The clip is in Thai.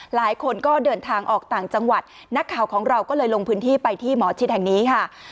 หลายคนก็เดินทางออกต่างจังหวัดนักข่าวของเราก็เลยลงพื้นที่ไปที่หมอชิดแห่งนี้ค่ะ